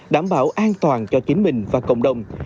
đảm bảo an toàn cho chính mình và cộng đồng